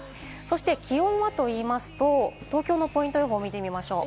気温はと言いますと、東京のポイント予報を見ましょう。